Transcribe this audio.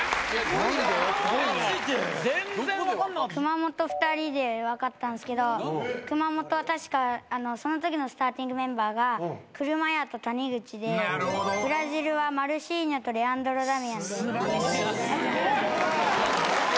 熊本２人で分かったんですけど熊本は確かそのときのスターティングメンバーが車屋と谷口でブラジルはマルシーニョとレアンドロダミアン。